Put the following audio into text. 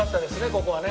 ここはね。